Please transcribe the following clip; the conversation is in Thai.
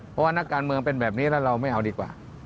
เพราะว่านักการเมืองเป็นแบบนี้แล้วเราไม่เอาดีกว่า